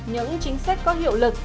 những chính sách có hiệu lực